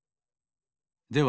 では